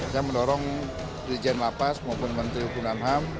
yang mendorong dirijen lapas maupun menteri hukuman ham